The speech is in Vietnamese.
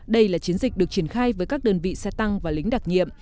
đây là chiến dịch được triển khai với các đơn vị xe tăng và lính đặc nhiệm